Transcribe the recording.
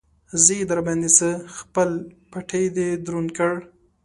زه يې در باندې څه؟! خپل پټېی دې دروند کړ.